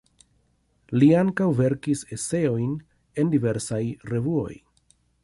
Li ankaŭ verkis eseojn en diversaj revuoj.